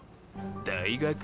大学？